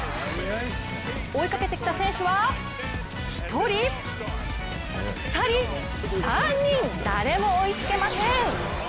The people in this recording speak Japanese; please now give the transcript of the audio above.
追いかけてきた選手は１人、２人３人、誰も追いつけません。